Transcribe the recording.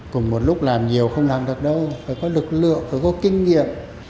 cùng một lúc làm nhiều không làm được đâu phải có lực lượng phải có kinh nghiệm